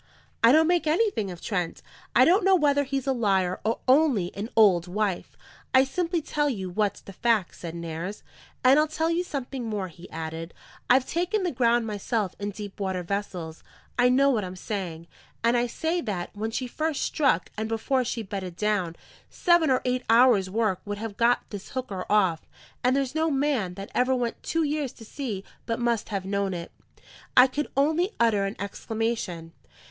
"I don't make anything of Trent; I don't know whether he's a liar or only an old wife; I simply tell you what's the fact," said Nares. "And I'll tell you something more," he added: "I've taken the ground myself in deep water vessels; I know what I'm saying; and I say that, when she first struck and before she bedded down, seven or eight hours' work would have got this hooker off, and there's no man that ever went two years to sea but must have known it." I could only utter an exclamation.